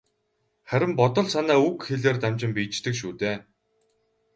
Харин бодол санаа үг хэлээр дамжин биеждэг шүү дээ.